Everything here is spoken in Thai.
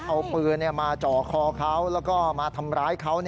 เอาปืนมาจ่อคอเขาแล้วก็มาทำร้ายเขา